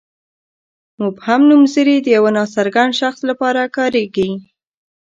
مبهم نومځري د یوه ناڅرګند شخص لپاره کاریږي.